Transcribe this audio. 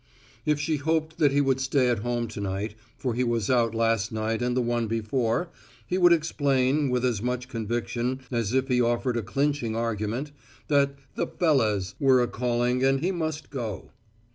If she hoped that he would stay at home to night, for he was out last night and the one before, he would explain, with as much conviction as if he offered a clinching argument, that "the fellahs" were a calling and he must go.